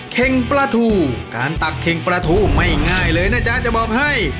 เข็งปลาทูการตักเข็งปลาทูไม่ง่ายเลยนะจ๊ะจะบอกให้